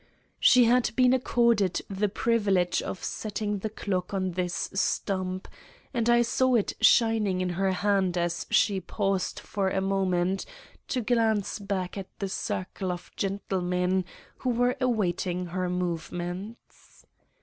She had been accorded the privilege of setting the clock on this stump, and I saw it shining in her hand as she paused for a moment to glance back at the circle of gentlemen who were awaiting her movements.